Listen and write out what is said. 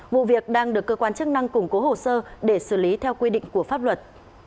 vụ việc đang được cơ quan chức năng củng cố hồ sơ để xử lý theo quy định của pháp luật